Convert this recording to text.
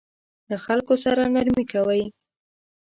له خلکو سره نرمي کوئ